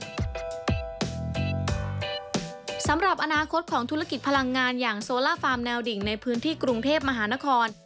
สำหรับอนาคตของธุรกิจพลังงานอย่างโซล่าฟาร์มแนวดิ่งในพื้นที่กรุงเทพมหานคร